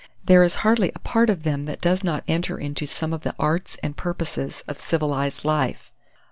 There is hardly a part of them that does not enter into some of the arts and purposes of civilized life.